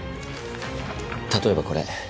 例えばこれ。